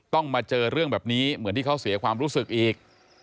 มาเจอเรื่องแบบนี้เหมือนที่เขาเสียความรู้สึกอีก